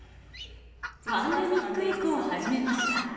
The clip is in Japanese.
パンデミック以降、始めました。